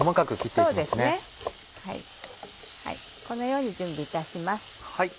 このように準備いたします。